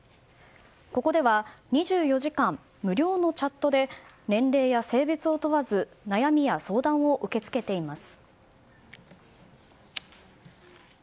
ここでは、２４時間無料のチャットで年齢や性別を問わず悩みや相談を受け付けています。